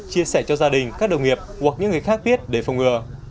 chia sẻ cho gia đình các đồng nghiệp hoặc những người khác biết để phòng ngừa